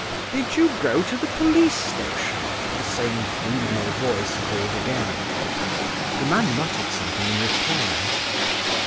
"Did you go to the police station?" the same female voice called again. The man muttered something in reply.